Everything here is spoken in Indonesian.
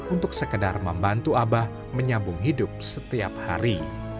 untuk sekedar membantu abah menyambung hidup setiap hari